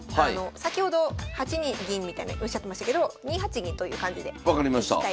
先ほど８二銀みたいなおっしゃってましたけど２八銀という感じで分かりました。